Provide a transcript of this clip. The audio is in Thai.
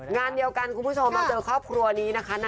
งานเดียวกันคุณผู้ชมมาเจอครอบครัวนี้นะคะ